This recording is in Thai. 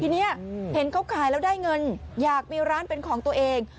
ทีนี้เห็นเขาขายแล้วได้เงินอยากมีร้านเป็นของตัวเอง